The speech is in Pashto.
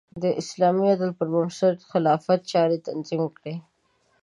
د اسلامي عدل پر بنسټ خلافت چارې تنظیم کړې.